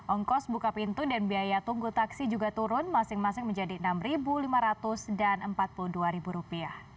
ongkos buka pintu dan biaya tunggu taksi juga turun masing masing menjadi rp enam lima ratus dan rp empat puluh dua